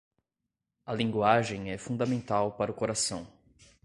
A linguagem é fundamental para o coração.